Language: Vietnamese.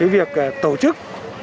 việc tổ chức